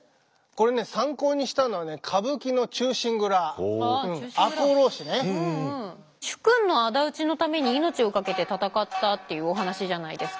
これね主君の仇討ちのために命を懸けて戦ったっていうお話じゃないですか。